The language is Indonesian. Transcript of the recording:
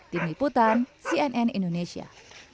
tim liputan cnn indonesia